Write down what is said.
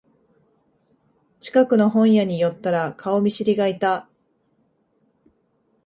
近くの本屋に寄ったら顔見知りがいた